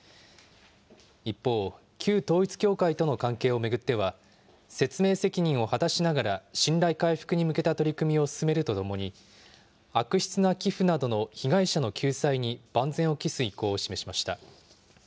一方、旧統一教会との関係を巡っては、説明責任を果たしながら、信頼回復に向けた取り組みを進めるとともに、悪質な寄付などの被害者の救済に、万全を期す意向を示しました。